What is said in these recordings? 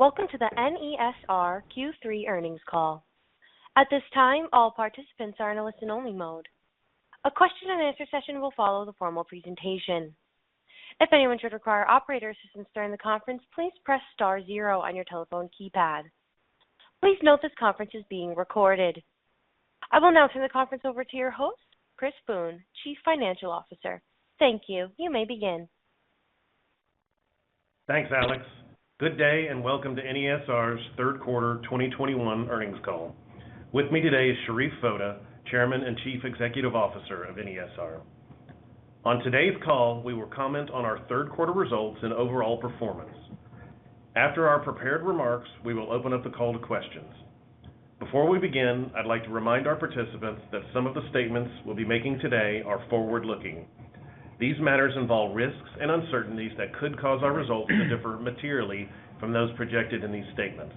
Welcome to the NESR Q3 Earnings Call. At this time, all participants are in a listen-only mode. A question-and-answer session will follow the formal presentation. If anyone should require operator assistance during the conference, please press star zero on your telephone keypad. Please note this conference is being recorded. I will now turn the conference over to your host, Chris Boone, Chief Financial Officer. Thank you. You may begin. Thanks, Alex. Good day and welcome to NESR's Third Quarter 2021 Earnings Call. With me today is Sherif Foda, Chairman and Chief Executive Officer of NESR. On today's call, we will comment on our third quarter results and overall performance. After our prepared remarks, we will open up the call to questions. Before we begin, I'd like to remind our participants that some of the statements we'll be making today are forward-looking. These matters involve risks and uncertainties that could cause our results to differ materially from those projected in these statements.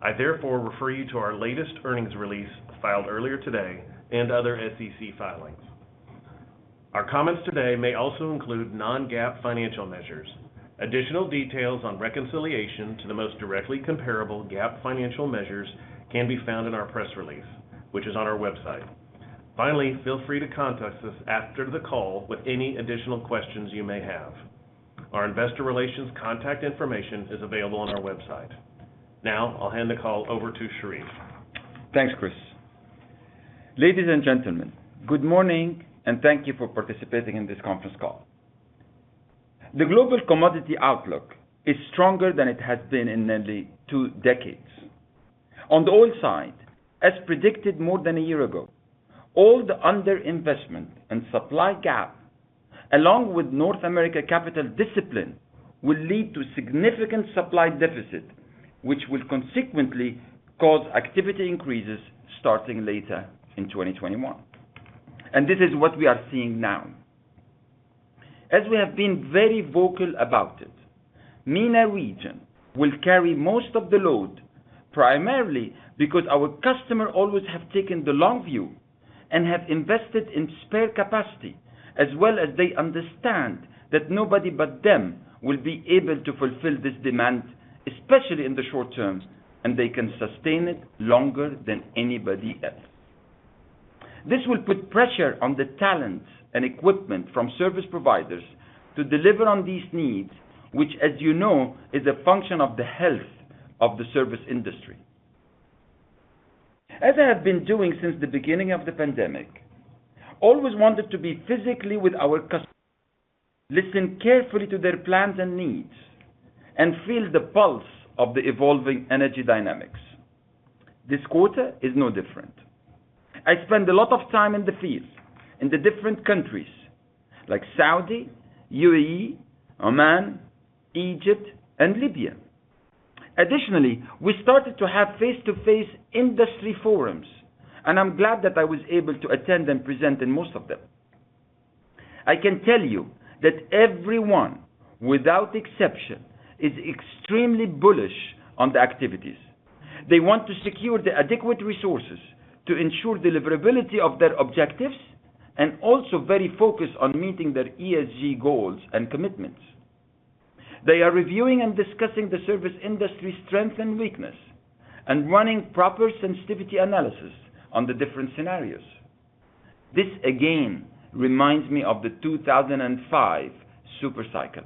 I therefore refer you to our latest earnings release filed earlier today and other SEC filings. Our comments today may also include non-GAAP financial measures. Additional details on reconciliation to the most directly comparable GAAP financial measures can be found in our press release, which is on our website. Finally, feel free to contact us after the call with any additional questions you may have. Our investor relations contact information is available on our website. Now, I'll hand the call over to Sherif. Thanks, Chris. Ladies and gentlemen, good morning, and thank you for participating in this conference call. The global commodity outlook is stronger than it has been in nearly two decades. On the oil side, as predicted more than a year ago, all the underinvestment and supply gap, along with North American capital discipline, will lead to significant supply deficit, which will consequently cause activity increases starting later in 2021. This is what we are seeing now. As we have been very vocal about it, MENA region will carry most of the load, primarily because our customer always have taken the long view and have invested in spare capacity, as well as they understand that nobody but them will be able to fulfill this demand, especially in the short term, and they can sustain it longer than anybody else. This will put pressure on the talent and equipment from service providers to deliver on these needs, which, as you know, is a function of the health of the service industry. As I have been doing since the beginning of the pandemic, I always wanted to be physically with our customers, listen carefully to their plans and needs, and feel the pulse of the evolving energy dynamics. This quarter is no different. I spend a lot of time in the field, in the different countries like Saudi, UAE, Oman, Egypt, and Libya. Additionally, we started to have face-to-face industry forums, and I'm glad that I was able to attend and present in most of them. I can tell you that everyone, without exception, is extremely bullish on the activities. They want to secure the adequate resources to ensure deliverability of their objectives and also very focused on meeting their ESG goals and commitments. They are reviewing and discussing the service industry strength and weakness and running proper sensitivity analysis on the different scenarios. This again reminds me of the 2005 supercycle.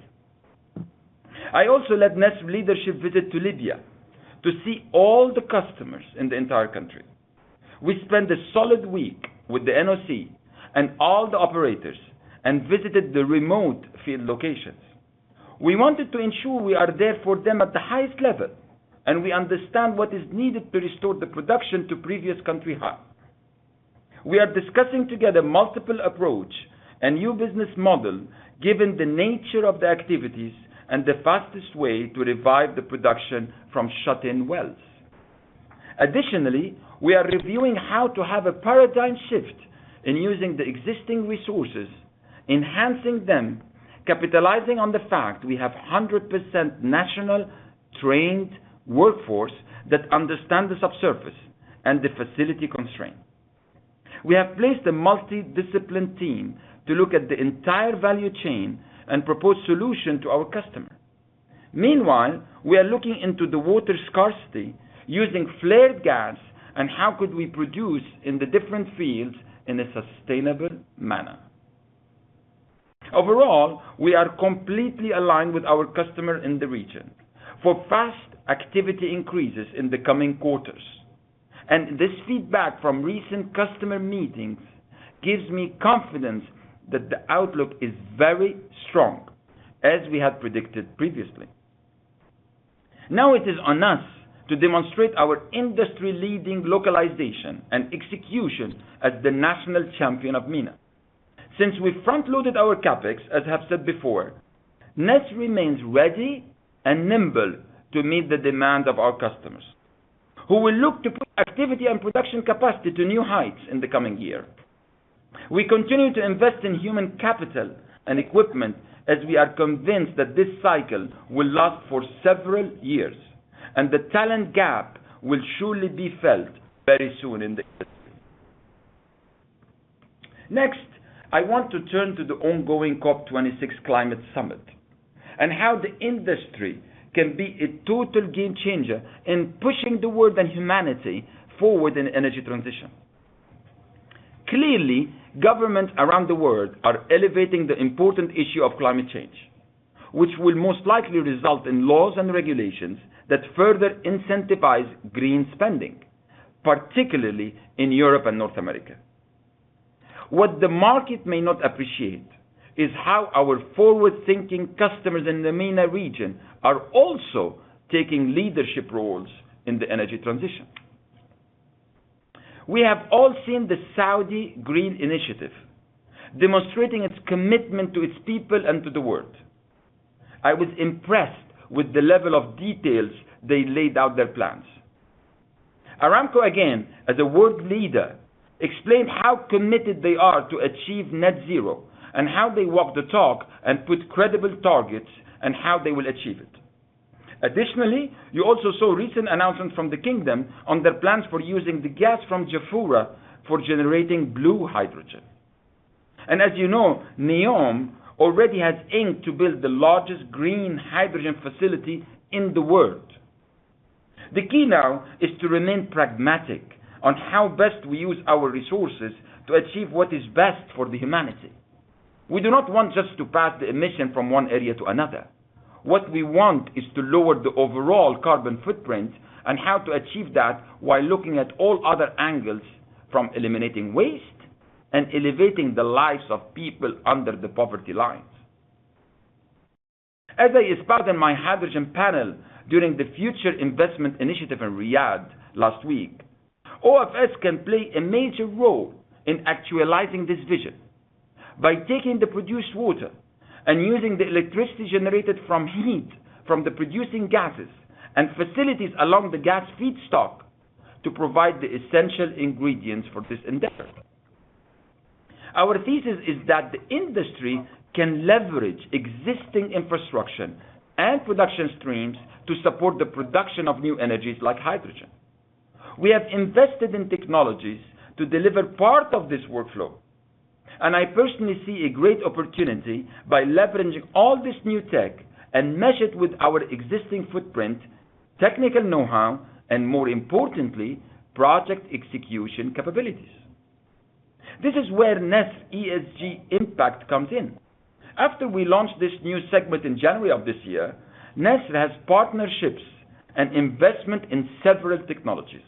I also led NESR leadership visit to Libya to see all the customers in the entire country. We spent a solid week with the NOC and all the operators and visited the remote field locations. We wanted to ensure we are there for them at the highest level, and we understand what is needed to restore the production to previous country high. We are discussing together multiple approach and new business model given the nature of the activities and the fastest way to revive the production from shut-in wells. Additionally, we are reviewing how to have a paradigm shift in using the existing resources, enhancing them, capitalizing on the fact we have 100% national trained workforce that understand the subsurface and the facility constraint. We have placed a multi-disciplined team to look at the entire value chain and propose solution to our customer. Meanwhile, we are looking into the water scarcity using flared gas and how could we produce in the different fields in a sustainable manner. Overall, we are completely aligned with our customer in the region for fast activity increases in the coming quarters. This feedback from recent customer meetings gives me confidence that the outlook is very strong, as we had predicted previously. Now it is on us to demonstrate our industry-leading localization and execution as the national champion of MENA. Since we front-loaded our CapEx, as I have said before, NESR remains ready and nimble to meet the demand of our customers who will look to put activity and production capacity to new heights in the coming year. We continue to invest in human capital and equipment as we are convinced that this cycle will last for several years, and the talent gap will surely be felt very soon in the years. Next, I want to turn to the ongoing COP26 climate summit and how the industry can be a total game changer in pushing the world and humanity forward in energy transition. Clearly, governments around the world are elevating the important issue of climate change, which will most likely result in laws and regulations that further incentivize green spending, particularly in Europe and North America. What the market may not appreciate is how our forward-thinking customers in the MENA region are also taking leadership roles in the energy transition. We have all seen the Saudi Green Initiative demonstrating its commitment to its people and to the world. I was impressed with the level of details they laid out their plans. Aramco, again, as a world leader, explained how committed they are to achieve net zero and how they walk the talk and put credible targets and how they will achieve it. Additionally, you also saw recent announcements from the kingdom on their plans for using the gas from Jafurah for generating blue hydrogen. As you know, NEOM already has inked to build the largest green hydrogen facility in the world. The key now is to remain pragmatic on how best we use our resources to achieve what is best for the humanity. We do not want just to pass the emission from one area to another. What we want is to lower the overall carbon footprint and how to achieve that while looking at all other angles from eliminating waste and elevating the lives of people under the poverty lines. As I spoke in my hydrogen panel during the Future Investment Initiative in Riyadh last week, OFS can play a major role in actualizing this vision by taking the produced water and using the electricity generated from heat from the producing gases and facilities along the gas feedstock to provide the essential ingredients for this endeavor. Our thesis is that the industry can leverage existing infrastructure and production streams to support the production of new energies like hydrogen. We have invested in technologies to deliver part of this workflow, and I personally see a great opportunity by leveraging all this new tech and mesh it with our existing footprint, technical know-how, and more importantly, project execution capabilities. This is where NESR ESG IMPACT comes in. After we launched this new segment in January of this year, NESR has partnerships and investment in several technologies,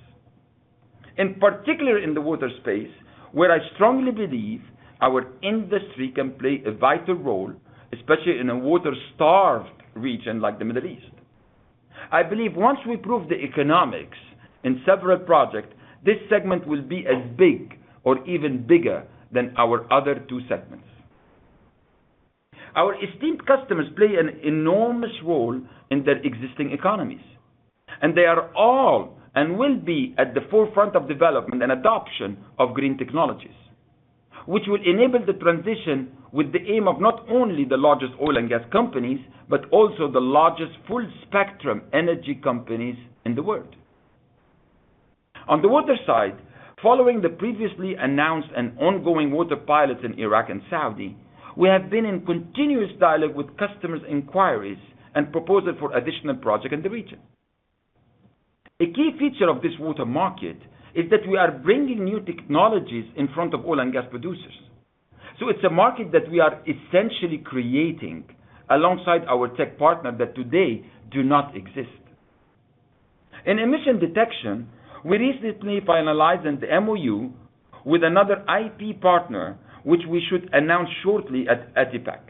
and particularly in the water space, where I strongly believe our industry can play a vital role, especially in a water-starved region like the Middle East. I believe once we prove the economics in several projects, this segment will be as big or even bigger than our other two segments. Our esteemed customers play an enormous role in their existing economies, and they are all and will be at the forefront of development and adoption of green technologies, which will enable the transition with the aim of not only the largest oil and gas companies, but also the largest full spectrum energy companies in the world. On the water side, following the previously announced and ongoing water pilot in Iraq and Saudi, we have been in continuous dialogue with customers' inquiries and proposals for additional projects in the region. A key feature of this water market is that we are bringing new technologies in front of oil and gas producers. It's a market that we are essentially creating alongside our tech partner that today do not exist. In emission detection, we recently finalized an MoU with another IP partner, which we should announce shortly at ADIPEC,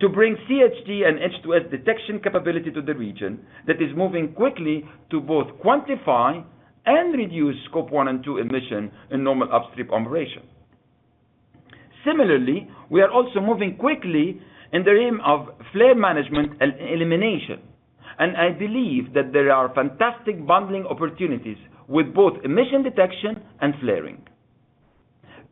to bring CH4 and H2S detection capability to the region that is moving quickly to both quantify and reduce Scope 1 and 2 emissions in normal upstream operation. Similarly, we are also moving quickly in the area of flare management and elimination, and I believe that there are fantastic bundling opportunities with both emission detection and flaring.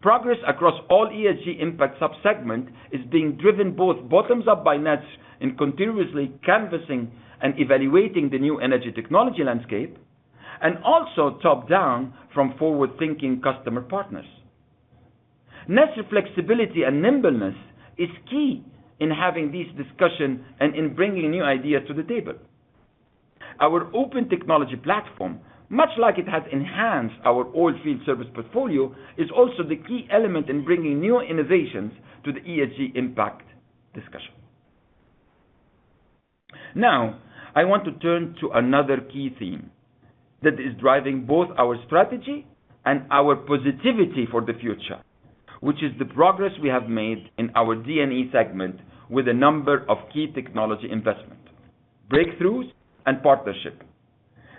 Progress across all ESG IMPACT sub-segment is being driven both bottoms up by NESR in continuously canvassing and evaluating the new energy technology landscape, and also top-down from forward-thinking customer partners. NESR flexibility and nimbleness is key in having these discussions and in bringing new ideas to the table. Our open technology platform, much like it has enhanced our oilfield service portfolio, is also the key element in bringing new innovations to the ESG impact discussion. Now, I want to turn to another key theme that is driving both our strategy and our positivity for the future, which is the progress we have made in our D&E segment with a number of key technology investment, breakthroughs, and partnership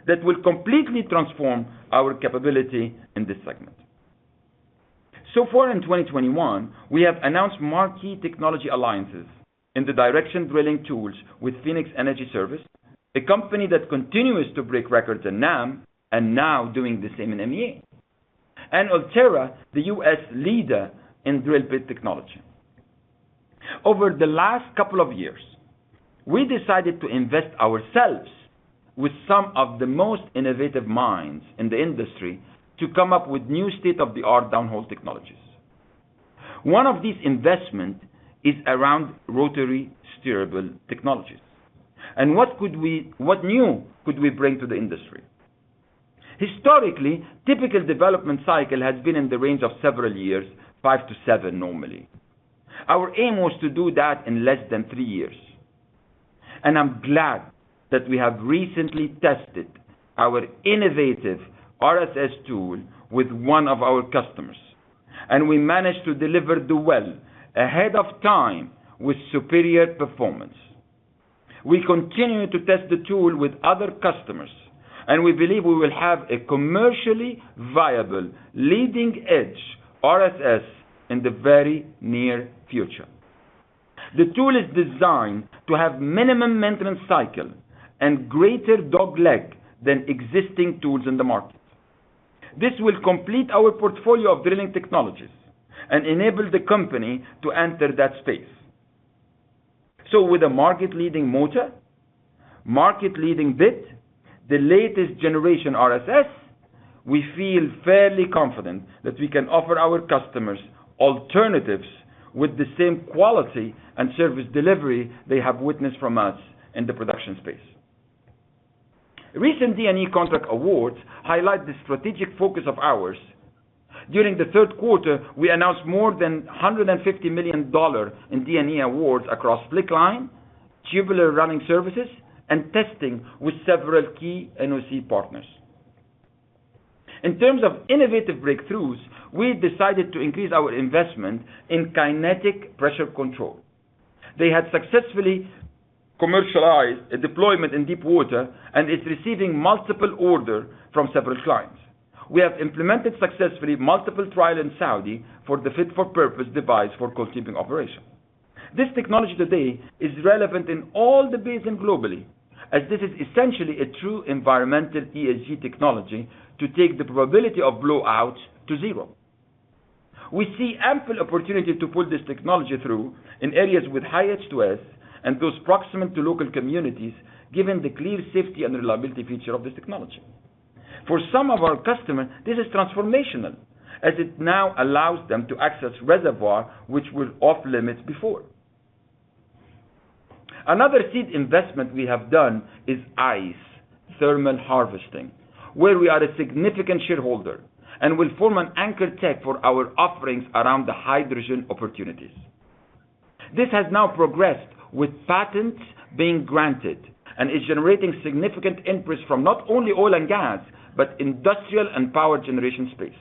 that will completely transform our capability in this segment. So far in 2021, we have announced marquee technology alliances in the directional drilling tools with PHX Energy Services Corp., a company that continues to break records in NAM and now doing the same in MENA, and Ulterra, the U.S. leader in drill bit technology. Over the last couple of years, we decided to invest ourselves with some of the most innovative minds in the industry to come up with new state-of-the-art downhole technologies. One of these investment is around rotary steerable technologies. What new could we bring to the industry? Historically, typical development cycle has been in the range of several years, 5-7 normally. Our aim was to do that in less than 3 years. I'm glad that we have recently tested our innovative RSS tool with one of our customers, and we managed to deliver the well ahead of time with superior performance. We continue to test the tool with other customers, and we believe we will have a commercially viable leading-edge RSS in the very near future. The tool is designed to have minimum maintenance cycle and greater dogleg than existing tools in the market. This will complete our portfolio of drilling technologies and enable the company to enter that space. With a market-leading motor, market-leading bit, the latest generation RSS, we feel fairly confident that we can offer our customers alternatives with the same quality and service delivery they have witnessed from us in the production space. Recent D&E contract awards highlight the strategic focus of ours. During the third quarter, we announced more than $150 million in D&E awards across slickline, tubular running services, and testing with several key NOC partners. In terms of innovative breakthroughs, we decided to increase our investment in Kinetic Pressure Control. They had successfully commercialized a deployment in deep water and are receiving multiple orders from several clients. We have implemented successfully multiple trials in Saudi for the fit-for-purpose device for cost-cutting operations. This technology today is relevant in all the basins globally, as this is essentially a true environmental ESG technology to take the probability of blowout to zero. We see ample opportunity to pull this technology through in areas with high H2S and those proximate to local communities, given the clear safety and reliability features of this technology. For some of our customers, this is transformational as it now allows them to access reservoirs which were off-limits before. Another seed investment we have done is ICE Thermal Harvesting, where we are a significant shareholder and will form an anchor tech for our offerings around the hydrogen opportunities. This has now progressed with patents being granted and is generating significant interest from not only oil and gas, but industrial and power generation space.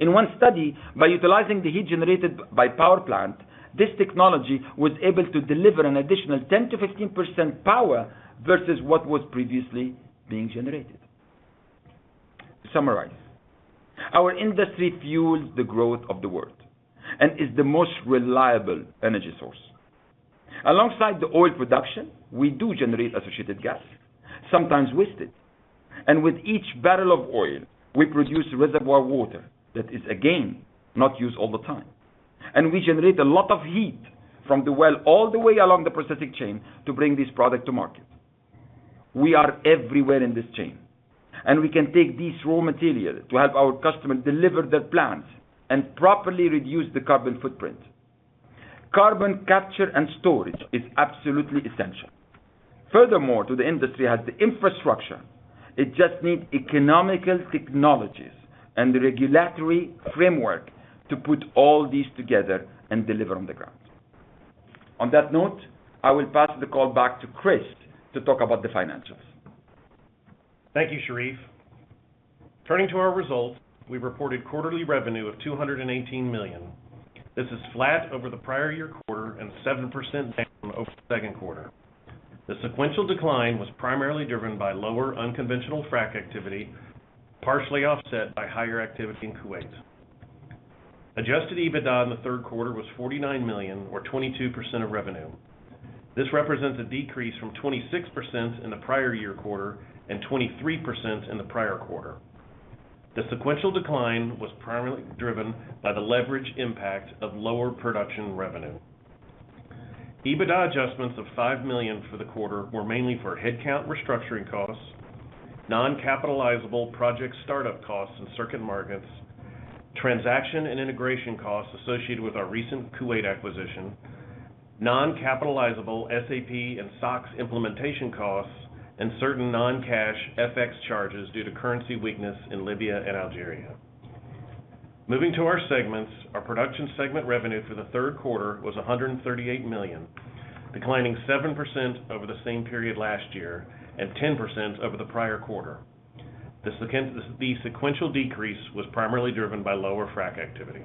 In one study, by utilizing the heat generated by power plant, this technology was able to deliver an additional 10%-15% power versus what was previously being generated. To summarize, our industry fuels the growth of the world and is the most reliable energy source. Alongside the oil production, we do generate associated gas, sometimes wasted. With each barrel of oil, we produce reservoir water that is again not used all the time. We generate a lot of heat from the well all the way along the processing chain to bring this product to market. We are everywhere in this chain, and we can take these raw materials to help our customers deliver their plans and properly reduce the carbon footprint. Carbon capture and storage is absolutely essential. Furthermore, the industry has the infrastructure, it just needs economical technologies and regulatory framework to put all these together and deliver on the ground. On that note, I will pass the call back to Chris to talk about the financials. Thank you, Sherif. Turning to our results, we reported quarterly revenue of $218 million. This is flat over the prior year quarter and 7% down from the second quarter. The sequential decline was primarily driven by lower unconventional frac activity, partially offset by higher activity in Kuwait. Adjusted EBITDA in the third quarter was $49 million or 22% of revenue. This represents a decrease from 26% in the prior year quarter and 23% in the prior quarter. The sequential decline was primarily driven by the leverage impact of lower production revenue. EBITDA adjustments of $5 million for the quarter were mainly for headcount restructuring costs, non-capitalizable project startup costs in certain markets, transaction and integration costs associated with our recent Kuwait acquisition, non-capitalizable SAP and SOX implementation costs, and certain non-cash FX charges due to currency weakness in Libya and Algeria. Moving to our segments, our production segment revenue for the third quarter was $138 million, declining 7% over the same period last year and 10% over the prior quarter. The sequential decrease was primarily driven by lower frac activity.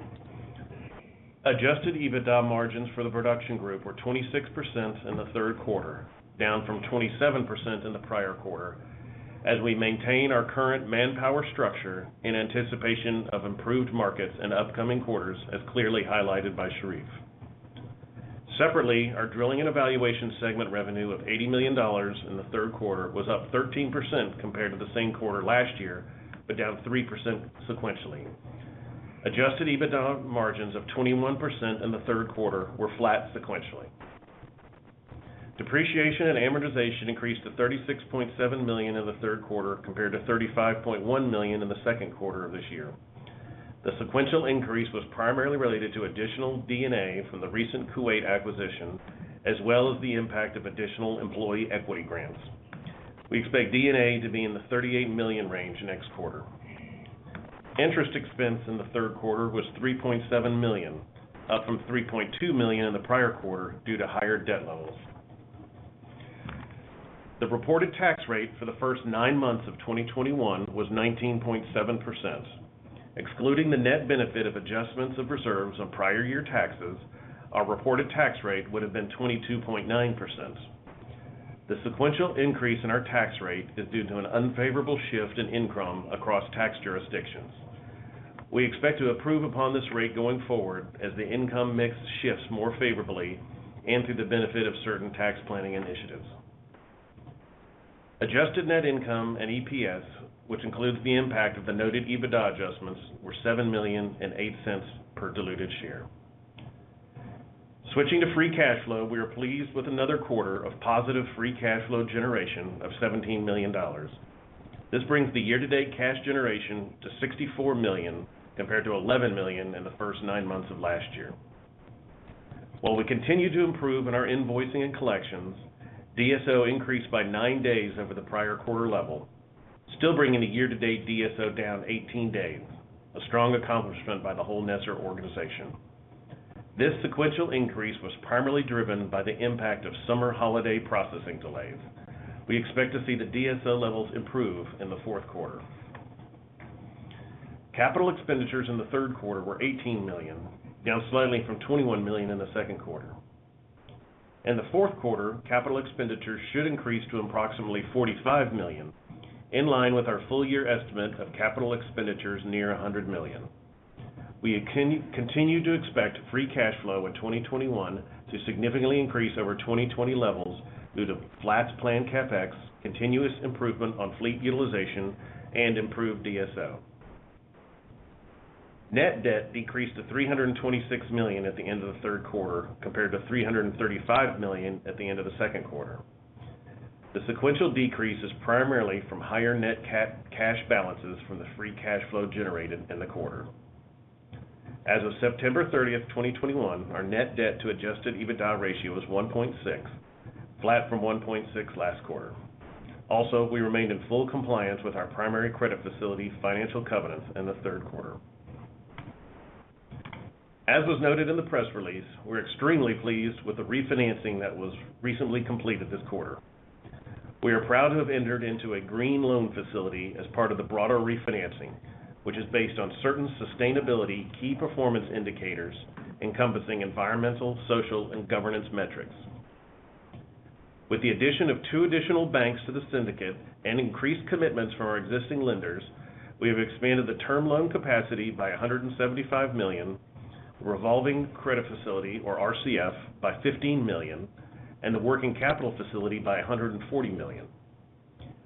Adjusted EBITDA margins for the production group were 26% in the third quarter, down from 27% in the prior quarter, as we maintain our current manpower structure in anticipation of improved markets in upcoming quarters, as clearly highlighted by Sherif. Separately, our drilling and evaluation segment revenue of $80 million in the third quarter was up 13% compared to the same quarter last year, but down 3% sequentially. Adjusted EBITDA margins of 21% in the third quarter were flat sequentially. Depreciation and amortization increased to $36.7 million in the third quarter compared to $35.1 million in the second quarter of this year. The sequential increase was primarily related to additional D&A from the recent Kuwait acquisition, as well as the impact of additional employee equity grants. We expect D&A to be in the $38 million range next quarter. Interest expense in the third quarter was $3.7 million, up from $3.2 million in the prior quarter due to higher debt levels. The reported tax rate for the first nine months of 2021 was 19.7%. Excluding the net benefit of adjustments of reserves on prior year taxes, our reported tax rate would have been 22.9%. The sequential increase in our tax rate is due to an unfavorable shift in income across tax jurisdictions. We expect to improve upon this rate going forward as the income mix shifts more favorably and through the benefit of certain tax planning initiatives. Adjusted net income and EPS, which includes the impact of the noted EBITDA adjustments, were $7 million and $0.08 per diluted share. Switching to free cash flow, we are pleased with another quarter of positive free cash flow generation of $17 million. This brings the year-to-date cash generation to $64 million compared to $11 million in the first nine months of last year. While we continue to improve in our invoicing and collections, DSO increased by 9 days over the prior quarter level, still bringing the year-to-date DSO down 18 days, a strong accomplishment by the whole NESR organization. This sequential increase was primarily driven by the impact of summer holiday processing delays. We expect to see the DSO levels improve in the fourth quarter. Capital expenditures in the third quarter were $18 million, down slightly from $21 million in the second quarter. In the fourth quarter, capital expenditures should increase to approximately $45 million, in line with our full year estimate of capital expenditures near $100 million. We continue to expect free cash flow in 2021 to significantly increase over 2020 levels due to flat planned CapEx, continuous improvement on fleet utilization, and improved DSO. Net debt decreased to $326 million at the end of the third quarter, compared to $335 million at the end of the second quarter. The sequential decrease is primarily from higher net cash balances from the free cash flow generated in the quarter. As of September 30, 2021, our net debt to adjusted EBITDA ratio is 1.6, flat from 1.6 last quarter. Also, we remained in full compliance with our primary credit facility's financial covenants in the third quarter. As was noted in the press release, we're extremely pleased with the refinancing that was recently completed this quarter. We are proud to have entered into a green loan facility as part of the broader refinancing, which is based on certain sustainability key performance indicators encompassing environmental, social, and governance metrics. With the addition of two additional banks to the syndicate and increased commitments from our existing lenders, we have expanded the term loan capacity by $175 million, the revolving credit facility, or RCF, by $15 million, and the working capital facility by $140 million.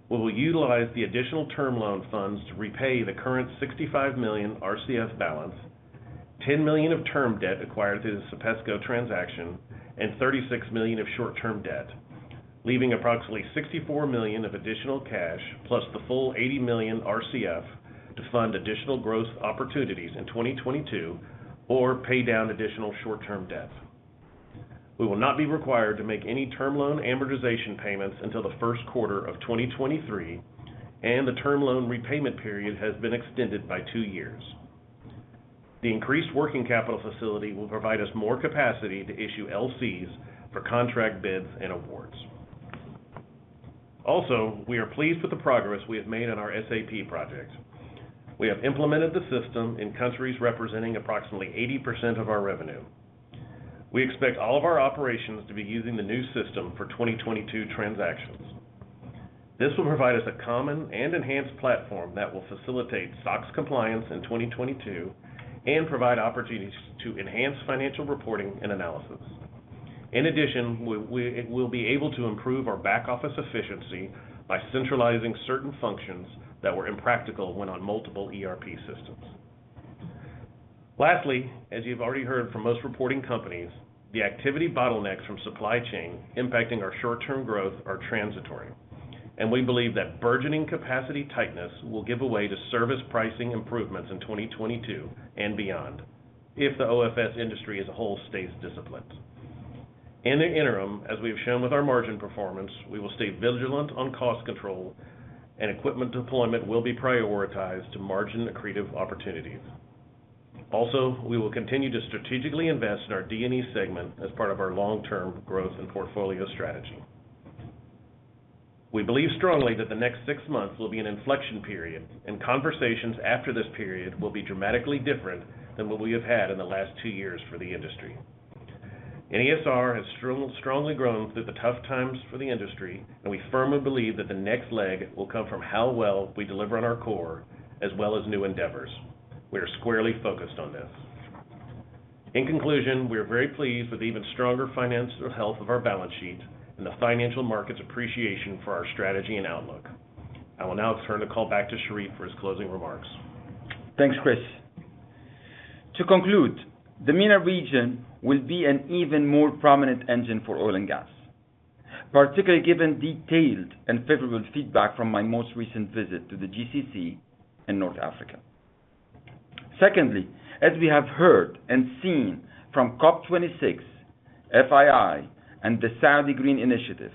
We will utilize the additional term loan funds to repay the current $65 million RCF balance, $10 million of term debt acquired through the SAPESCO transaction, and $36 million of short-term debt, leaving approximately $64 million of additional cash, plus the full $80 million RCF to fund additional growth opportunities in 2022 or pay down additional short-term debt. We will not be required to make any term loan amortization payments until the first quarter of 2023, and the term loan repayment period has been extended by 2 years. The increased working capital facility will provide us more capacity to issue LCs for contract bids and awards. We are pleased with the progress we have made on our SAP project. We have implemented the system in countries representing approximately 80% of our revenue. We expect all of our operations to be using the new system for 2022 transactions. This will provide us a common and enhanced platform that will facilitate SOX compliance in 2022 and provide opportunities to enhance financial reporting and analysis. In addition, we'll be able to improve our back office efficiency by centralizing certain functions that were impractical when on multiple ERP systems. Lastly, as you've already heard from most reporting companies, the activity bottlenecks from supply chain impacting our short-term growth are transitory, and we believe that burgeoning capacity tightness will give way to service pricing improvements in 2022 and beyond if the OFS industry as a whole stays disciplined. In the interim, as we have shown with our margin performance, we will stay vigilant on cost control and equipment deployment will be prioritized to margin-accretive opportunities. Also, we will continue to strategically invest in our D&E segment as part of our long-term growth and portfolio strategy. We believe strongly that the next six months will be an inflection period, and conversations after this period will be dramatically different than what we have had in the last two years for the industry. NESR has strongly grown through the tough times for the industry, and we firmly believe that the next leg will come from how well we deliver on our core as well as new endeavors. We are squarely focused on this. In conclusion, we are very pleased with the even stronger financial health of our balance sheet and the financial market's appreciation for our strategy and outlook. I will now turn the call back to Sherif for his closing remarks. Thanks, Chris. To conclude, the MENA region will be an even more prominent engine for oil and gas, particularly given detailed and favorable feedback from my most recent visit to the GCC in North Africa. Secondly, as we have heard and seen from COP26, FII, and the Saudi Green Initiative,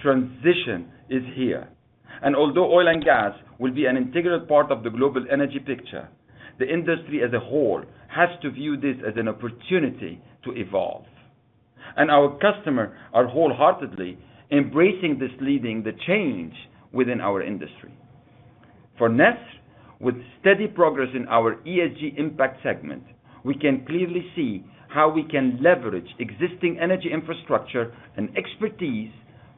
transition is here. Although oil and gas will be an integral part of the global energy picture, the industry as a whole has to view this as an opportunity to evolve, and our customers are wholeheartedly embracing this, leading the change within our industry. For NESR, with steady progress in our ESG Impact segment, we can clearly see how we can leverage existing energy infrastructure and expertise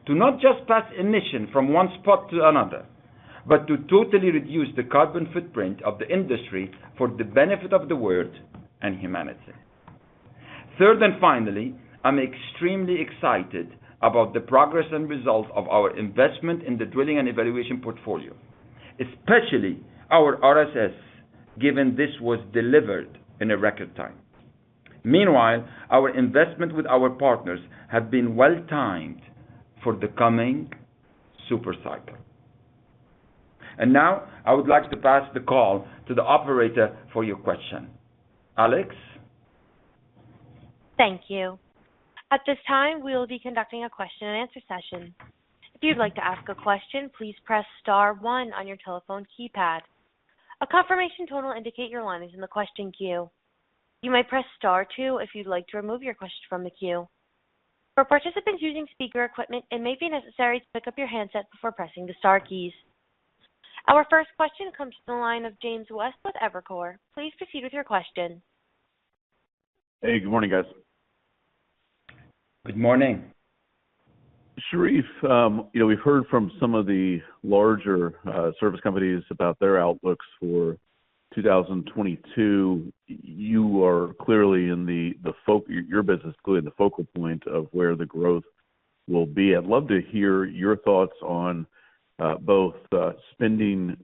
to not just pass emissions from one spot to another, but to totally reduce the carbon footprint of the industry for the benefit of the world and humanity. Third and finally, I'm extremely excited about the progress and results of our investment in the drilling and evaluation portfolio, especially our RSS, given this was delivered in a record time. Meanwhile, our investment with our partners have been well timed for the coming super cycle. Now I would like to pass the call to the operator for your question. Alex? Thank you. At this time, we will be conducting a question and answer session. If you'd like to ask a question, please press star one on your telephone keypad. A confirmation tone will indicate your line is in the question queue. You may press star two if you'd like to remove your question from the queue. For participants using speaker equipment, it may be necessary to pick up your handset before pressing the star keys. Our first question comes from the line of James West with Evercore. Please proceed with your question. Hey, good morning, guys. Good morning. Sherif, you know, we've heard from some of the larger service companies about their outlooks for 2022. You are clearly in the focal point of where the growth will be. I'd love to hear your thoughts on both spending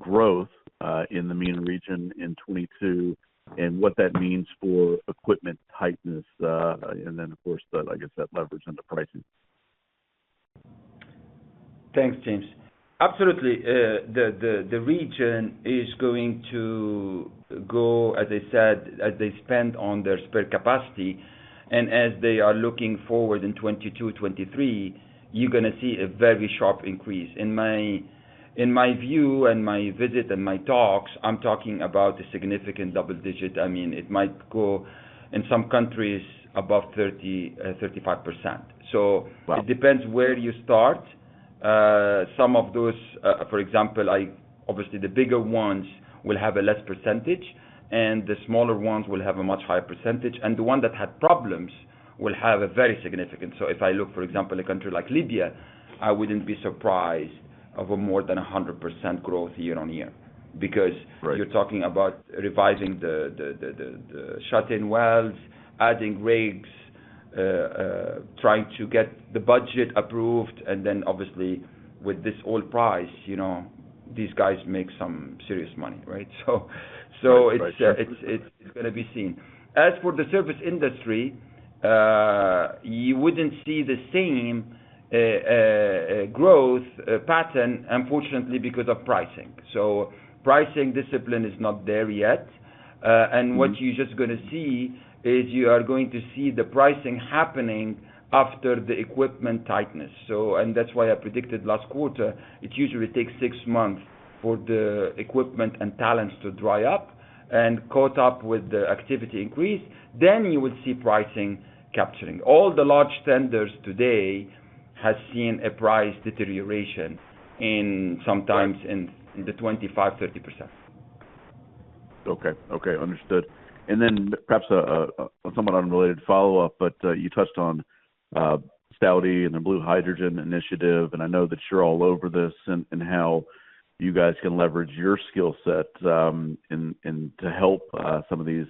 growth in the MENA region in 2022 and what that means for equipment tightness, and then of course, I guess, that leverage on the pricing. Thanks, James. Absolutely, the region is going to go, as I said, as they spend on their spare capacity and as they are looking forward in 2022, 2023, you're gonna see a very sharp increase. In my view and my visit and my talks, I'm talking about a significant double digit. I mean, it might go in some countries above 30, 35%. Wow. It depends where you start. Some of those, for example, obviously, the bigger ones will have a less percentage, and the smaller ones will have a much higher percentage, and the one that had problems will have a very significant. If I look, for example, in a country like Libya, I wouldn't be surprised of more than 100% growth year-on-year because Right you're talking about revising the shut-in wells, adding rigs, trying to get the budget approved, and then obviously with this oil price, you know, these guys make some serious money, right? It's, Right. It's gonna be seen. As for the service industry, you wouldn't see the same growth pattern unfortunately because of pricing. Pricing discipline is not there yet. What you're just gonna see is you are going to see the pricing happening after the equipment tightness. That's why I predicted last quarter, it usually takes six months for the equipment and talents to dry up and caught up with the activity increase. Then you will see pricing capturing. All the large tenders today has seen a price deterioration in sometimes 25%-30%. Okay. Understood. Then perhaps somewhat unrelated follow-up, but you touched on Saudi and the Blue Hydrogen Initiative, and I know that you're all over this and how you guys can leverage your skill set and to help some of these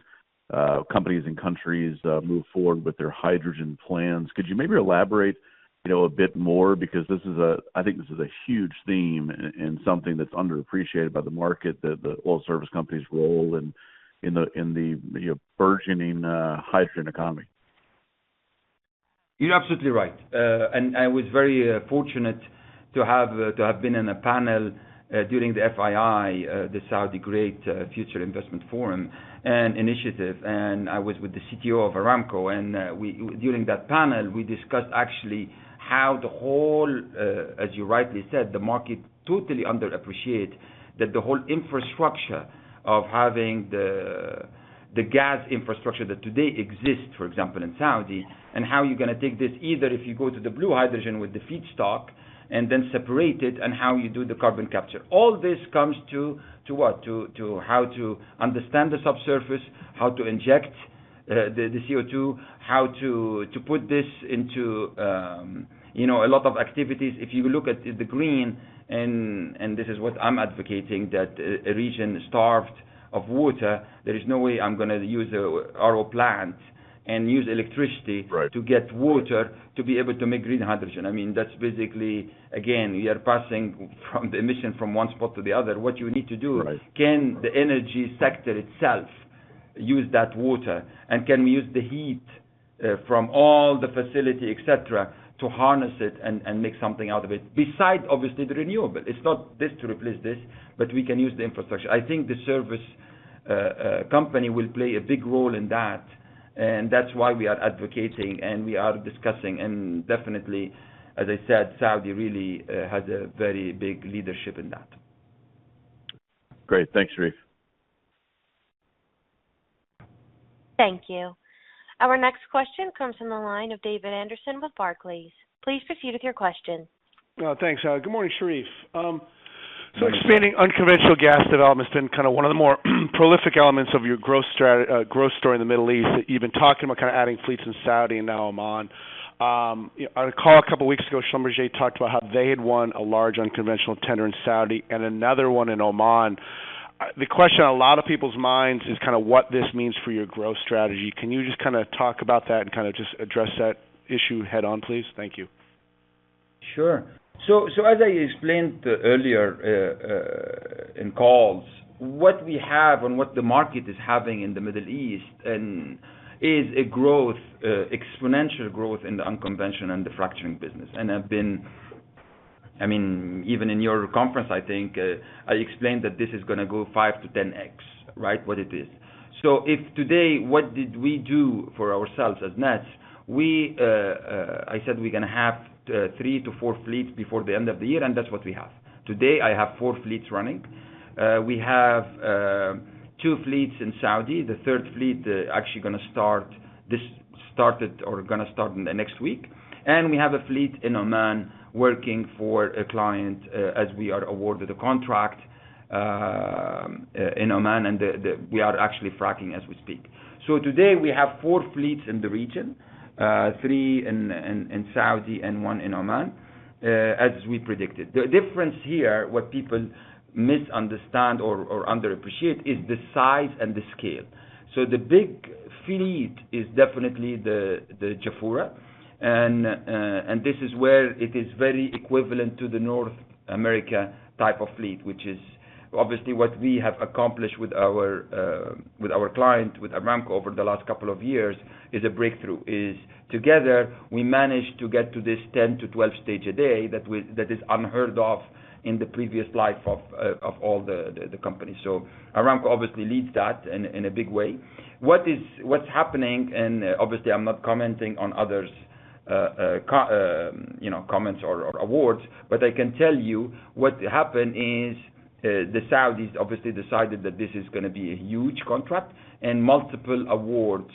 companies and countries move forward with their hydrogen plans. Could you maybe elaborate, you know, a bit more? Because I think this is a huge theme and something that's underappreciated by the market that the oil service company's role in the, you know, burgeoning hydrogen economy. You're absolutely right. I was very fortunate to have been in a panel during the FII, the Saudi Future Investment Initiative, and I was with the CTO of Aramco. During that panel, we discussed actually how the whole, as you rightly said, the market totally underappreciate that the whole infrastructure of having the gas infrastructure that today exists, for example, in Saudi, and how you're gonna take this either if you go to the blue hydrogen with the feedstock and then separate it, and how you do the carbon capture. All this comes to what? To how to understand the subsurface, how to inject the CO2, how to put this into, you know, a lot of activities. If you look at the green, this is what I'm advocating that a region starved of water, there is no way I'm gonna use RO plant and use electricity. Right. To get water to be able to make green hydrogen. I mean, that's basically again, we are passing from the emission from one spot to the other. What you need to do Right. Can the energy sector itself use that water? Can we use the heat from all the facility, et cetera, to harness it and make something out of it besides obviously the renewable. It's not this to replace this, but we can use the infrastructure. I think the service company will play a big role in that, and that's why we are advocating, and we are discussing and definitely, as I said, Saudi really has a very big leadership in that. Great. Thanks, Sherif. Thank you. Our next question comes from the line of David Anderson with Barclays. Please proceed with your question. Thanks. Good morning, Sherif. Expanding unconventional gas development has been kinda one of the more prolific elements of your growth story in the Middle East. You've been talking about kinda adding fleets in Saudi and now Oman. On a call a couple weeks ago, Schlumberger talked about how they had won a large unconventional tender in Saudi and another one in Oman. The question on a lot of people's minds is kinda what this means for your growth strategy. Can you just kinda talk about that and kinda just address that issue head on, please? Thank you. Sure. As I explained earlier in calls, what we have and what the market is having in the Middle East is exponential growth in the unconventional and the fracturing business. I mean, even in your conference, I think I explained that this is gonna go 5 to 10x, right? What it is. If today, what did we do for ourselves as NESR? I said we gonna have 3 to 4 fleets before the end of the year, and that's what we have. Today, I have 4 fleets running. We have 2 fleets in Saudi. The third fleet actually gonna start in the next week. We have a fleet in Oman working for a client, as we are awarded a contract in Oman, and we are actually fracking as we speak. Today we have four fleets in the region, three in Saudi and one in Oman, as we predicted. The difference here, what people misunderstand or underappreciate is the size and the scale. The big fleet is definitely the Jafurah. This is where it is very equivalent to the North America type of fleet, which is obviously what we have accomplished with our client, with Aramco, over the last couple of years, is a breakthrough. Together, we managed to get to this 10-12 stages a day that is unheard of in the previous life of all the companies. Aramco obviously leads that in a big way. What's happening, and obviously I'm not commenting on others' comments or awards, but I can tell you what happened is the Saudis obviously decided that this is gonna be a huge contract and multiple awards,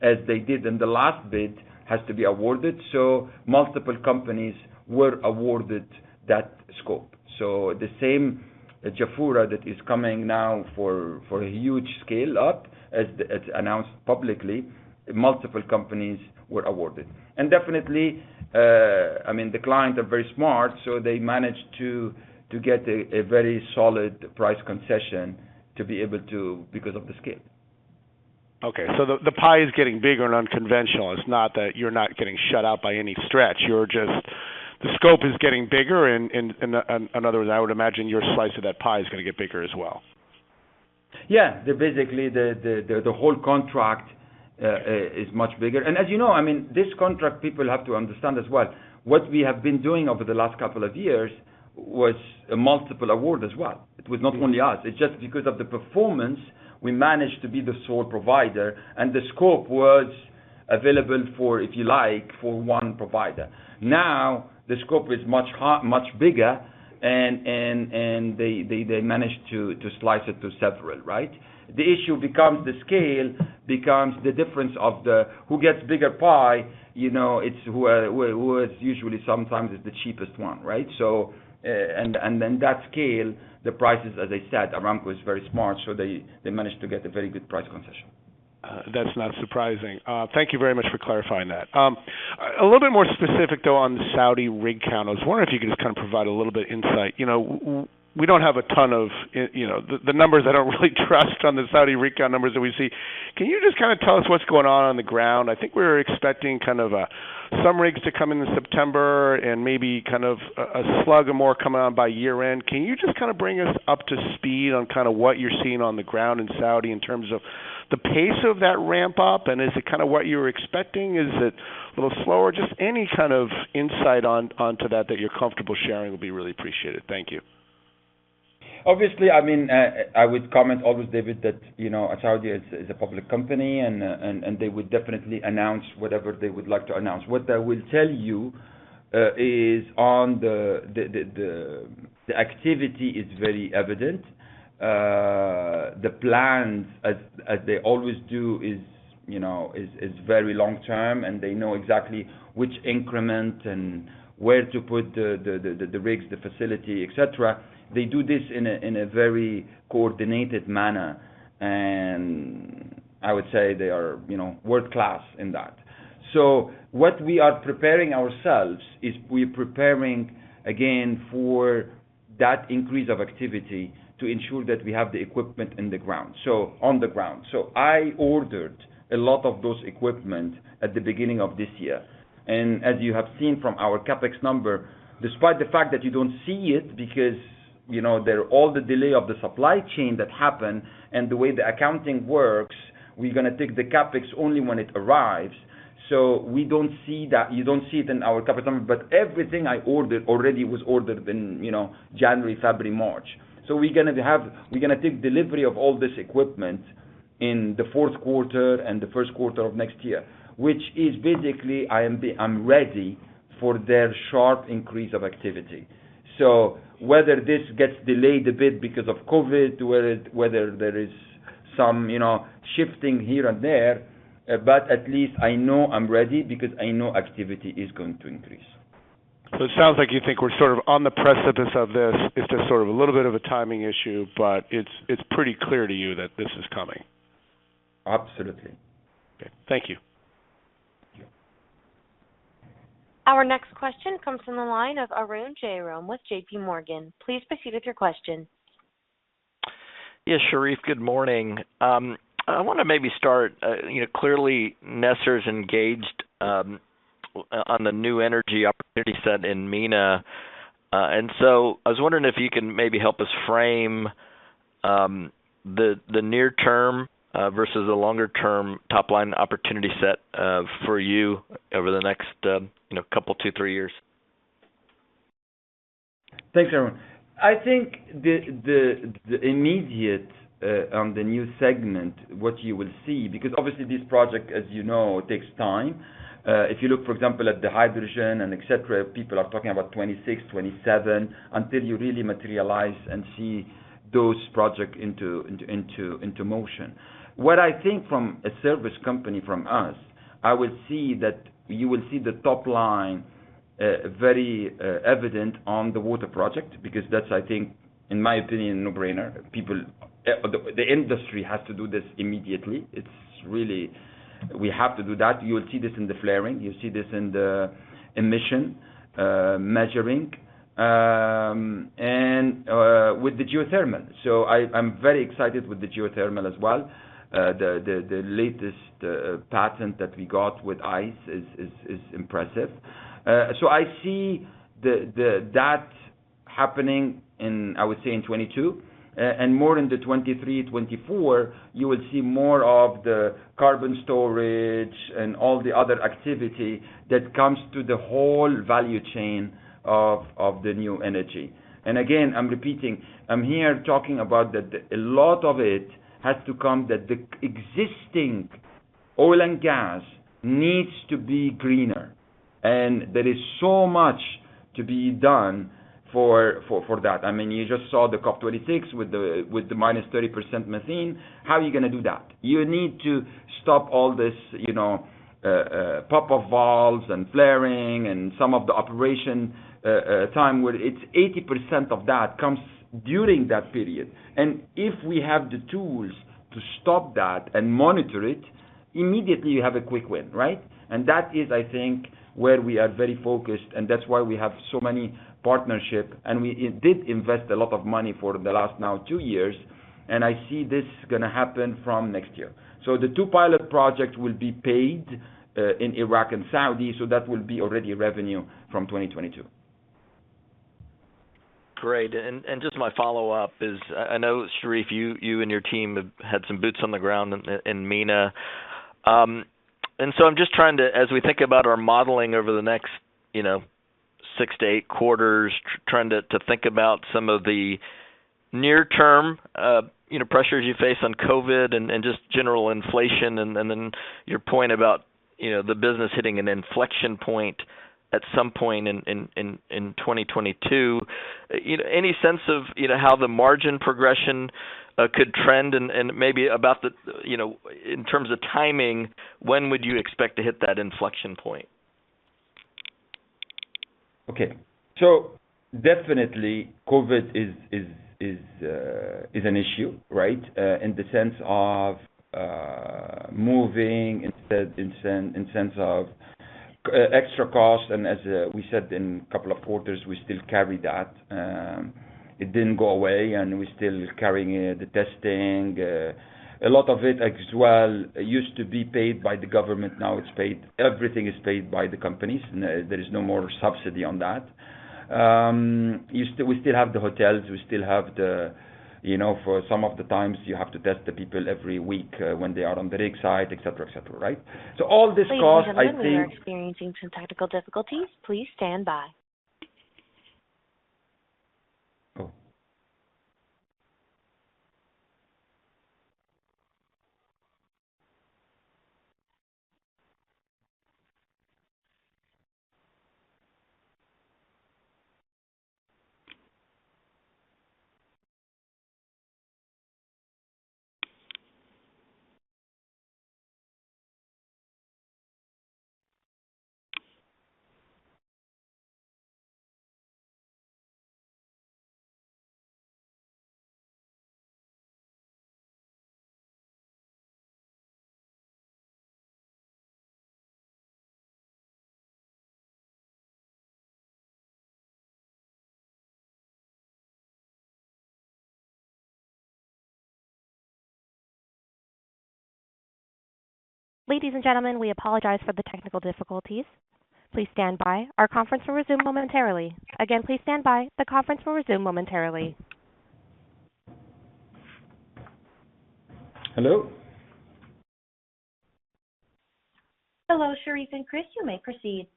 as they did in the last bid, has to be awarded. Multiple companies were awarded that scope. The same Jafurah that is coming now for a huge scale up, as announced publicly, multiple companies were awarded. Definitely, I mean, the clients are very smart, so they managed to get a very solid price concession to be able to because of the scale. Okay. The pie is getting bigger and unconventional. It's not that you're not getting shut out by any stretch. You're just the scope is getting bigger and otherwise, I would imagine your slice of that pie is gonna get bigger as well. Yeah. Basically, the whole contract is much bigger. As you know, I mean, this contract, people have to understand as well. What we have been doing over the last couple of years was a multiple award as well. It was not only us. It's just because of the performance, we managed to be the sole provider and the scope was available for, if you like, for one provider. Now, the scope is much bigger and they managed to slice it to several, right? The issue becomes the scale, becomes the difference of who gets the bigger pie, you know. It's who is usually sometimes the cheapest one, right? And that scale, the prices, as I said, Aramco is very smart, so they managed to get a very good price concession. That's not surprising. Thank you very much for clarifying that. A little bit more specific, though, on Saudi rig count. I was wondering if you could just kinda provide a little bit insight. You know, we don't have a ton of, you know, the numbers are not really trusted on the Saudi rig count numbers that we see. Can you just kinda tell us what's going on on the ground? I think we're expecting kind of some rigs to come in in September and maybe kind of a slug or more coming on by year-end. Can you just kinda bring us up to speed on kinda what you're seeing on the ground in Saudi in terms of the pace of that ramp up, and is it kinda what you're expecting? Is it a little slower? Just any kind of insight onto that you're comfortable sharing would be really appreciated. Thank you. Obviously, I mean, I would comment always, David, that, you know, Saudi is a public company and they would definitely announce whatever they would like to announce. What I will tell you is that the activity is very evident. The plans, as they always do is, you know, very long-term, and they know exactly which increment and where to put the rigs, the facility, et cetera. They do this in a very coordinated manner. I would say they are, you know, world-class in that. What we are preparing ourselves is we're preparing again for that increase of activity to ensure that we have the equipment on the ground. I ordered a lot of those equipment at the beginning of this year. As you have seen from our CapEx number, despite the fact that you don't see it because, you know, there are all the delay of the supply chain that happened and the way the accounting works, we're gonna take the CapEx only when it arrives. We don't see that. You don't see it in our CapEx number. Everything I ordered already was ordered in, you know, January, February, March. We're gonna take delivery of all this equipment in the fourth quarter and the first quarter of next year, which is basically I'm ready for their sharp increase of activity. Whether this gets delayed a bit because of COVID, whether there is some, you know, shifting here and there, but at least I know I'm ready because I know activity is going to increase. It sounds like you think we're sort of on the precipice of this. It's just sort of a little bit of a timing issue, but it's pretty clear to you that this is coming. Absolutely. Okay. Thank you. Yeah. Our next question comes from the line of Arun Jayaram with JPMorgan. Please proceed with your question. Yes, Sherif, good morning. I wanna maybe start, you know, clearly NESR's engaged on the new energy opportunity set in MENA. I was wondering if you can maybe help us frame the near term versus the longer term top line opportunity set for you over the next, you know, couple, two, three years. Thanks, Arun. I think the immediate on the new segment, what you will see because obviously this project, as you know, takes time. If you look for example at the hydrogen and et cetera, people are talking about 2026, 2027 until you really materialize and see those project into motion. What I think from a service company from us, I will see that you will see the top line very evident on the water project because that's, I think, in my opinion, a no-brainer. People. The industry has to do this immediately. It's really. We have to do that. You will see this in the flaring. You'll see this in the emission measuring, and with the geothermal. I am very excited with the geothermal as well. The latest patent that we got with ICE is impressive. I see that happening in, I would say, 2022. More in 2023, 2024, you will see more of the carbon storage and all the other activity that comes to the whole value chain of the new energy. Again, I'm repeating, I'm here talking about that a lot of it has to come that the existing oil and gas needs to be greener. There is so much to be done for that. I mean, you just saw the COP26 with the -30% methane. How are you gonna do that? You need to stop all this, you know, pop-up valves and flaring and some of the operation time where it's 80% of that comes during that period. If we have the tools to stop that and monitor it, immediately you have a quick win, right? That is, I think, where we are very focused, and that's why we have so many partnership. We did invest a lot of money for the last now 2 years, and I see this gonna happen from next year. The two pilot project will be paid in Iraq and Saudi, so that will be already revenue from 2022. Great. Just my follow-up is I know, Sherif, you and your team have had some boots on the ground in MENA. I'm just trying to, as we think about our modeling over the next, you know, 6-8 quarters, trying to think about some of the near term, you know, pressures you face on COVID and just general inflation and then your point about, you know, the business hitting an inflection point at some point in 2022. You know, any sense of, you know, how the margin progression could trend and maybe about the, you know, in terms of timing, when would you expect to hit that inflection point? Okay. Definitely COVID is an issue, right? In the sense of extra cost. As we said in couple of quarters, we still carry that. It didn't go away, and we're still carrying the testing. A lot of it as well used to be paid by the government, now it's paid, everything is paid by the companies. There is no more subsidy on that. We still have the hotels, we still have the, you know, for some of the times you have to test the people every week when they are on the rig site, et cetera, right? All this cost I think Please remain on the line. We are experiencing some technical difficulties. Please stand by. Ladies and gentlemen, we apologize for the technical difficulties. Please stand by. Our conference will resume momentarily. Again, please stand by. The conference will resume momentarily. Hello? Hello, Sherif and Chris, you may proceed.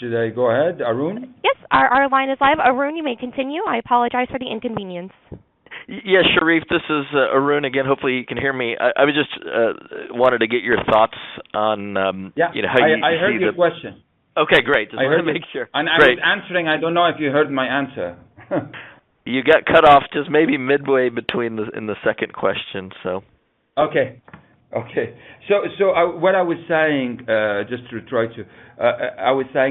Should I go ahead, Arun? Yes. Our line is live. Arun, you may continue. I apologize for the inconvenience. Yes, Sherif, this is Arun again. Hopefully you can hear me. I just wanted to get your thoughts on, you know, how you see the- Yeah. I heard your question. Okay, great. I heard it. Just wanted to make sure. Great. I was answering. I don't know if you heard my answer. You got cut off just maybe midway between the in the second question, so. What I was saying is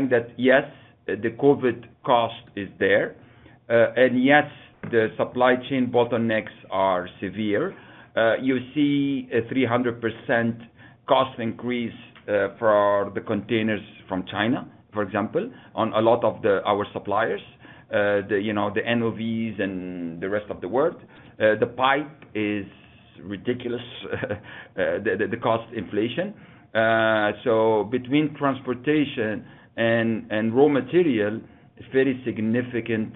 that yes, the COVID cost is there. Yes, the supply chain bottlenecks are severe. You see a 300% cost increase for the containers from China, for example, on a lot of our suppliers. You know, the NOV and the rest of the world. The pipe is ridiculous, the cost inflation. Between transportation and raw material, very significant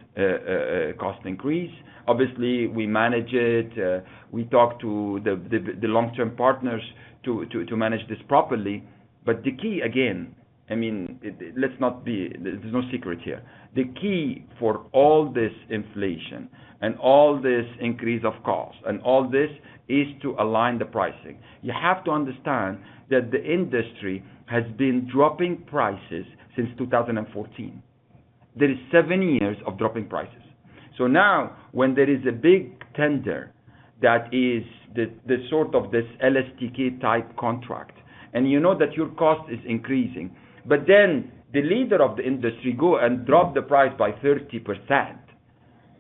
cost increase. Obviously, we manage it. We talk to the long-term partners to manage this properly. The key again, I mean, let's not be. There's no secret here. The key for all this inflation and all this increase of cost and all this is to align the pricing. You have to understand that the industry has been dropping prices since 2014. There is seven years of dropping prices. Now when there is a big tender that is the sort of this LSTK type contract, and you know that your cost is increasing, but then the leader of the industry go and drop the price by 30%,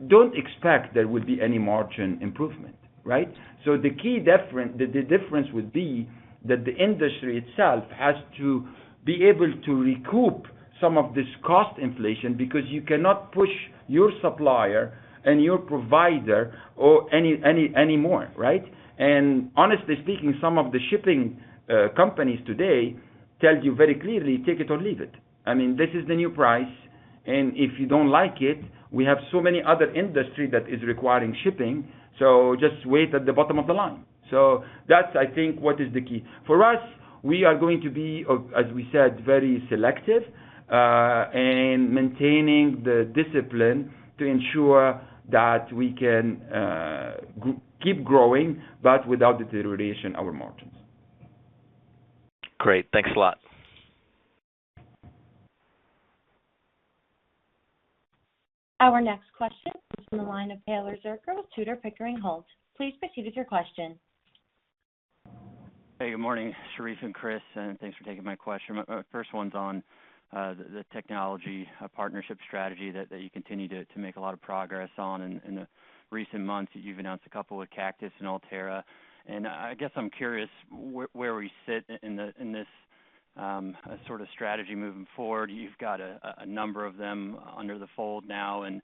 don't expect there will be any margin improvement, right? The key difference would be that the industry itself has to be able to recoup some of this cost inflation because you cannot push your supplier and your provider or any anymore, right? Honestly speaking, some of the shipping companies today tell you very clearly, take it or leave it. I mean, this is the new price, and if you don't like it, we have so many other industry that is requiring shipping, so just wait at the bottom of the line. That's, I think, what is the key. For us, we are going to be, as we said, very selective, in maintaining the discipline to ensure that we can, keep growing, but without deterioration our margins. Great. Thanks a lot. Our next question is from the line of Taylor Zurcher with Tudor, Pickering, Holt & Co. Please proceed with your question. Hey, good morning, Sherif and Chris, and thanks for taking my question. My first one's on the technology partnership strategy that you continue to make a lot of progress on in the recent months. You've announced a couple with Cactus and Ulterra. I guess I'm curious where we sit in this sort of strategy moving forward. You've got a number of them under the fold now and,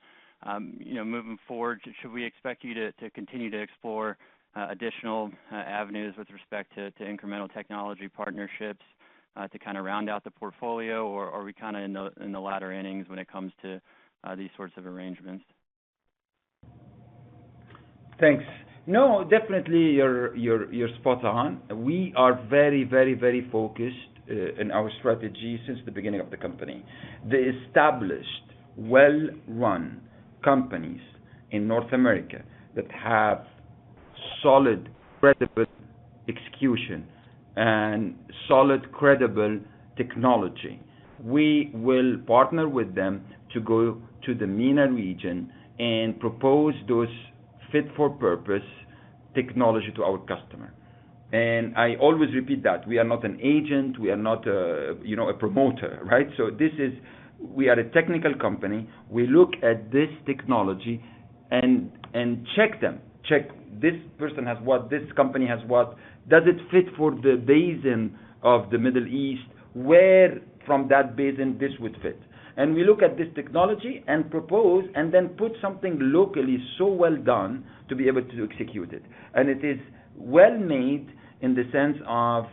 you know, moving forward, should we expect you to continue to explore additional avenues with respect to incremental technology partnerships to kinda round out the portfolio, or are we kinda in the latter innings when it comes to these sorts of arrangements? Thanks. No, definitely you're spot on. We are very focused in our strategy since the beginning of the company. The established, well-run companies in North America that have solid, credible execution and solid, credible technology, we will partner with them to go to the MENA region and propose those fit for purpose technology to our customer. I always repeat that. We are not an agent, we are not a, you know, a promoter, right? We are a technical company. We look at this technology and check them. Check this person has what, this company has what. Does it fit for the basin of the Middle East? Where from that basin this would fit? We look at this technology and propose, and then put something locally so well done to be able to execute it. It is well-made in the sense of,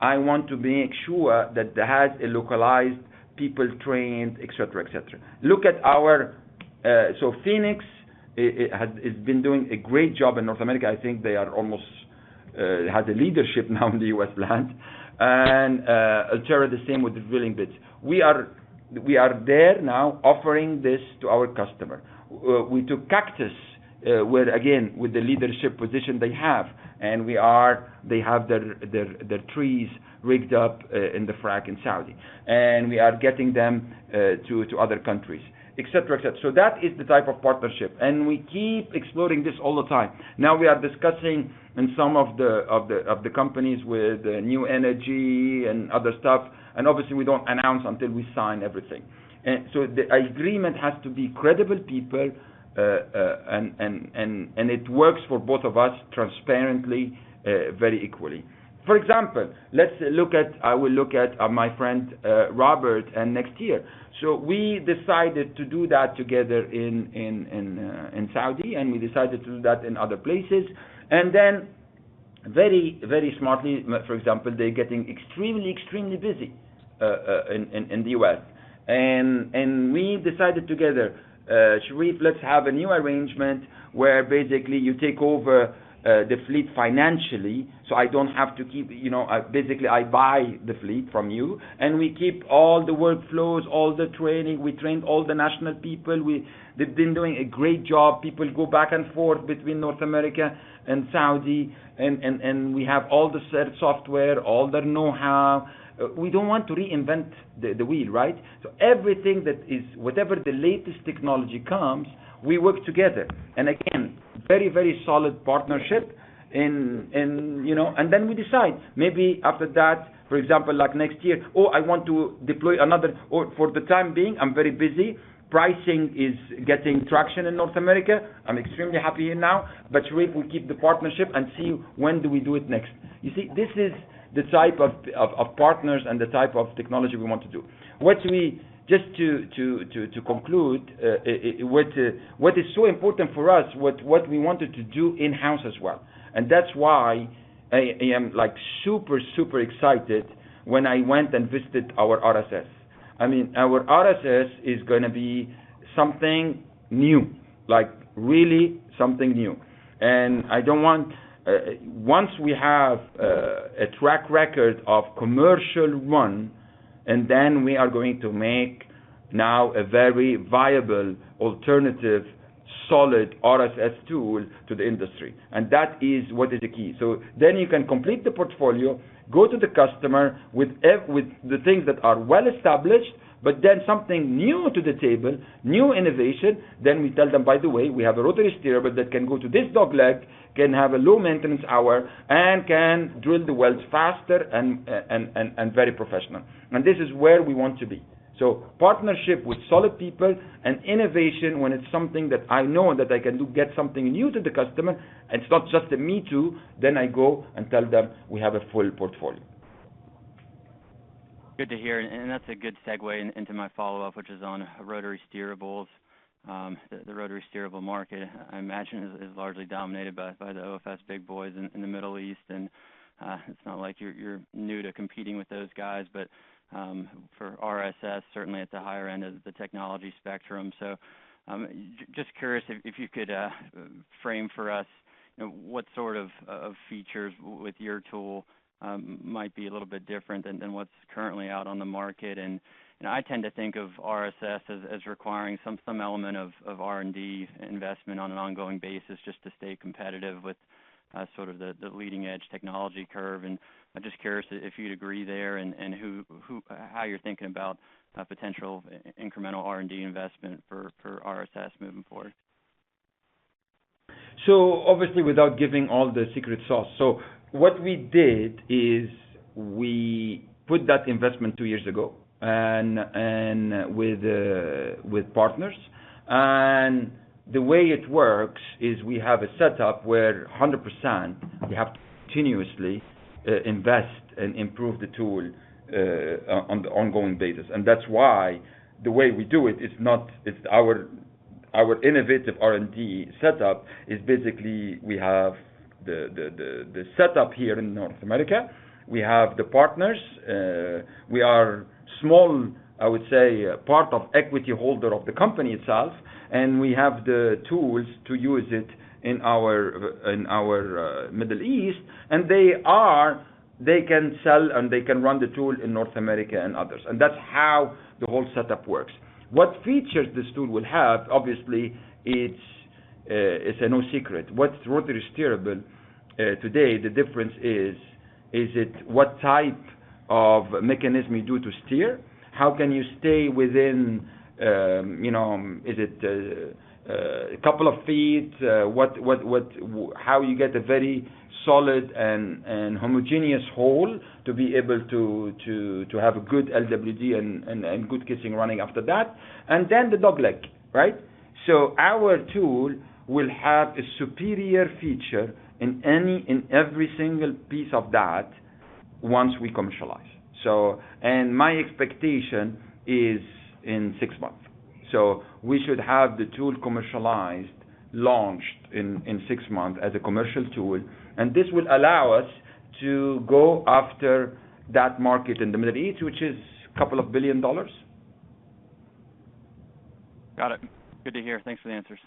I want to make sure that they had a localized people trained, et cetera, et cetera. Look at our PHX has been doing a great job in North America. I think they are almost has a leadership now in the U.S. land. Ulterra, the same with the drilling bits. We are there now offering this to our customer. We took Cactus, where again, with the leadership position they have, and we are they have their trees rigged up in the frac in Saudi. We are getting them to other countries, et cetera, et cetera. That is the type of partnership. We keep exploring this all the time. Now we are discussing in some of the companies with new energy and other stuff. Obviously, we don't announce until we sign everything. The agreement has to be credible people, and it works for both of us transparently, very equally. For example, my friend, Robert in NexTier. We decided to do that together in Saudi, and we decided to do that in other places. Very smartly, for example, they're getting extremely busy in the U.S. We decided together, "Sherif, let's have a new arrangement where basically you take over the fleet financially, so I don't have to keep, you know. Basically, I buy the fleet from you." We keep all the workflows, all the training. We train all the national people. They've been doing a great job. People go back and forth between North America and Saudi, and we have all the best software, all the know-how. We don't want to reinvent the wheel, right? Everything that is whatever the latest technology comes, we work together. Again, very solid partnership, you know. We decide maybe after that, for example, like next year, oh, I want to deploy another. For the time being, I'm very busy. Pricing is getting traction in North America. I'm extremely happy here now. Sherif will keep the partnership and see when do we do it next. You see, this is the type of partners and the type of technology we want to do. Just to conclude, what is so important for us, what we wanted to do in-house as well. That's why I am, like, super excited when I went and visited our RSS. I mean, our RSS is gonna be something new. Like, really something new. I don't want. Once we have a track record of commercial one, and then we are going to make now a very viable, alternative, solid RSS tool to the industry. That is what is the key. You can complete the portfolio, go to the customer with the things that are well established, but then something new to the table, new innovation. We tell them, "By the way, we have a rotary steerable that can go to this dogleg, can have a low maintenance hour, and can drill the wells faster and very professional." This is where we want to be. Partnership with solid people and innovation when it's something that I know and that I can do, get something new to the customer, and it's not just a me too, then I go and tell them we have a full portfolio. Good to hear. That's a good segue into my follow-up, which is on rotary steerables. The rotary steerable market, I imagine, is largely dominated by the OFS big boys in the Middle East. It's not like you're new to competing with those guys. For RSS, certainly at the higher end of the technology spectrum. Just curious if you could frame for us, you know, what sort of features with your tool might be a little bit different than what's currently out on the market. You know, I tend to think of RSS as requiring some element of R&D investment on an ongoing basis just to stay competitive with sort of the leading edge technology curve. I'm just curious if you'd agree there and how you're thinking about potential incremental R&D investment for RSS moving forward. Obviously, without giving all the secret sauce. What we did is we put that investment two years ago and with partners. The way it works is we have a setup where 100% we have to continuously invest and improve the tool on the ongoing basis. That's why the way we do it is. It's our innovative R&D setup is basically we have the setup here in North America. We have the partners. We are small, I would say, part of equity holder of the company itself, and we have the tools to use it in our Middle East. They can sell and they can run the tool in North America and others. That's how the whole setup works. What features this tool will have, obviously, it's no secret. What rotary steerable today, the difference is what type of mechanism you do to steer? How can you stay within, you know, is it a couple of feet? How you get a very solid and homogeneous hole to be able to have a good LWD and good casing running after that. Then the dogleg, right? Our tool will have a superior feature in any and every single piece of that once we commercialize. My expectation is in six months. We should have the tool commercialized, launched in six months as a commercial tool. This will allow us to go after that market in the Middle East, which is $2 billion. Got it. Good to hear. Thanks for the answers.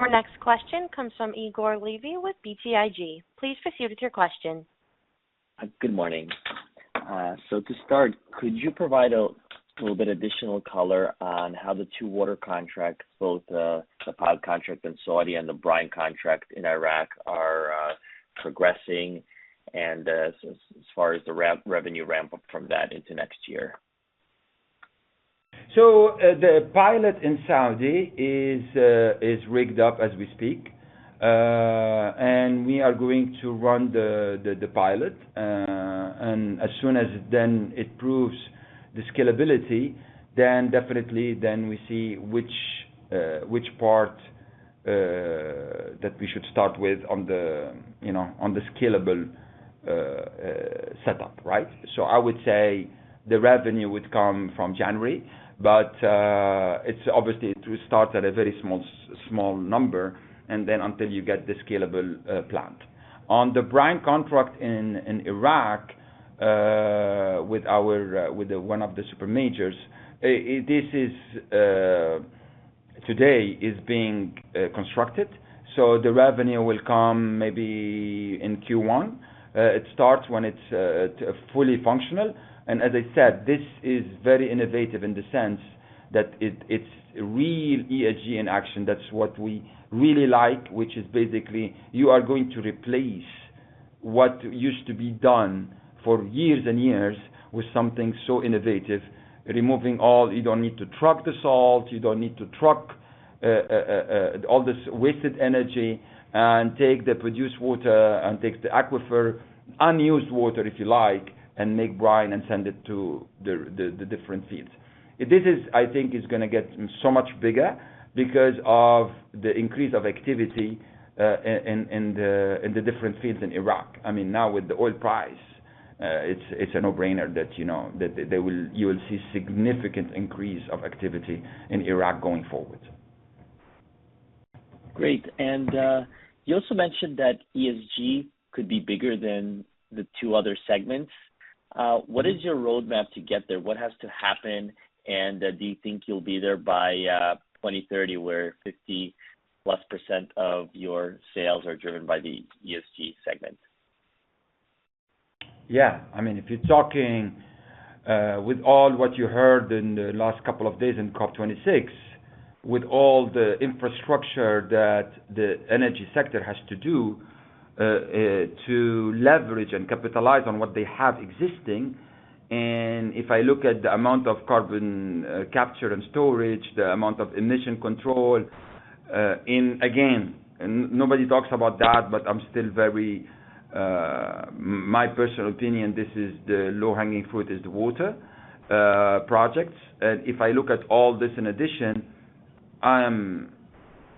Our next question comes from Igor Levi with BTIG. Please proceed with your question. Good morning. To start, could you provide a little bit additional color on how the two water contracts, both the pilot contract in Saudi and the brine contract in Iraq are progressing and as far as the revenue ramp-up from that into next year? The pilot in Saudi is rigged up as we speak. We are going to run the pilot. As soon as it proves the scalability, then definitely we see which part that we should start with on the, you know, on the scalable setup, right? I would say the revenue would come from January. It's obviously to start at a very small number and then until you get the scalable plant. On the brine contract in Iraq with the one of the super majors, this is today being constructed. The revenue will come maybe in Q1. It starts when it's fully functional. As I said, this is very innovative in the sense that it's real ESG in action. That's what we really like, which is basically you are going to replace what used to be done for years and years with something so innovative. You don't need to truck the salt. You don't need to truck all this wasted energy and take the produced water and take the aquifer, unused water, if you like, and make brine and send it to the different fields. This, I think, is gonna get so much bigger because of the increase of activity in the different fields in Iraq. I mean, now with the oil price, it's a no-brainer that, you know, you will see significant increase of activity in Iraq going forward. Great. You also mentioned that ESG could be bigger than the two other segment. What is your roadmap to get there? What has to happen? Do you think you'll be there by 2030, where 50%+ of your sales are driven by the ESG segment? Yeah. I mean, if you're talking with all what you heard in the last couple of days in COP26, with all the infrastructure that the energy sector has to do to leverage and capitalize on what they have existing. If I look at the amount of carbon capture and storage, the amount of emission control. Again, nobody talks about that, but I'm still very. My personal opinion, this is the low-hanging fruit is the water projects. If I look at all this in addition,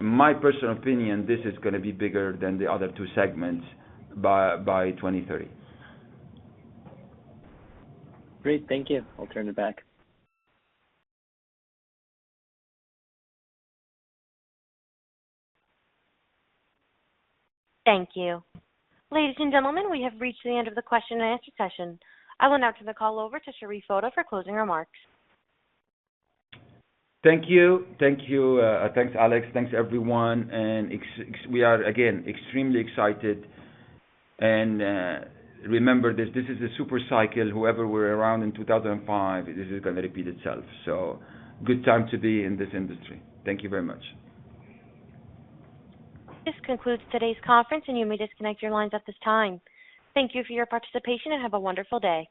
my personal opinion, this is gonna be bigger than the other two segments by 2030. Great. Thank you. I'll turn it back. Thank you. Ladies and gentlemen, we have reached the end of the question and answer session. I will now turn the call over to Sherif Foda for closing remarks. Thank you. Thanks, Alex. Thanks, everyone. We are again, extremely excited. Remember this is a super cycle. Whoever were around in 2005, this is gonna repeat itself. Good time to be in this industry. Thank you very much. This concludes today's conference, and you may disconnect your lines at this time. Thank you for your participation, and have a wonderful day.